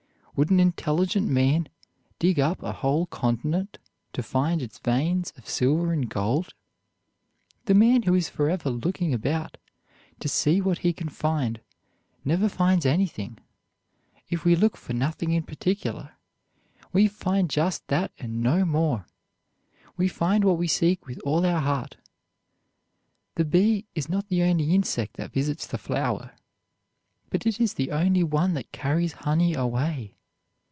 Would an intelligent man dig up a whole continent to find its veins of silver and gold? The man who is forever looking about to see what he can find never finds anything. If we look for nothing in particular, we find just that and no more. We find what we seek with all our heart. The bee is not the only insect that visits the flower, but it is the only one that carries honey away.